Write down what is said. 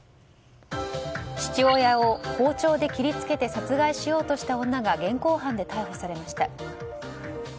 父親を包丁で切り付けて殺害しようとした女が現行犯で逮捕されました。